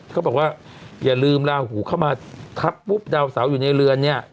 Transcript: เขาบอกว่าอย่าลืมลาหูเข้ามาทับปุ๊บดาวเสาอยู่ในเรือนเนี่ย